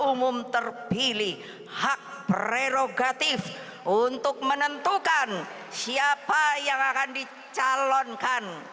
umum terpilih hak prerogatif untuk menentukan siapa yang akan dicalonkan